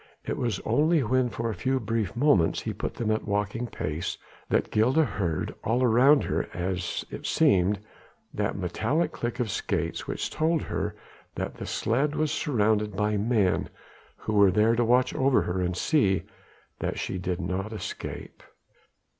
It was only when for a few brief moments he put them at walking pace, that Gilda heard all around her as it seemed that metallic click of skates which told her that the sledge was surrounded by men who were there to watch over her and see that she did not escape.